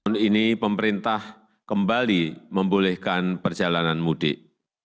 tahun ini pemerintah kembali membolehkan perjalanan mudik